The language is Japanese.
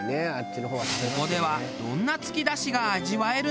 ここではどんなつきだしが味わえるのか？